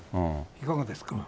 いかがですか？